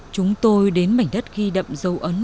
chúng tôi đến mảnh đất ghi đậm dâu ấn